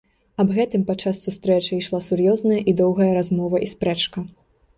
Аб гэтым падчас сустрэчы ішла сур'ёзная і доўгая размова і спрэчка.